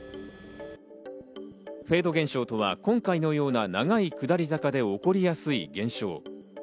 フェード現象とは、今回のような長い下り坂で起こりやすい現象。